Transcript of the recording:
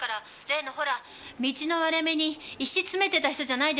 例のほら道の割れ目に石詰めてた人じゃないですか？